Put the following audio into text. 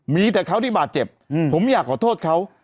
มีแต่เขาที่บาดเจ็บผมอยากขอโทษเขา